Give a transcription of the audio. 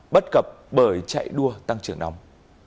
bất cập bởi chạy đua tăng trưởng nóng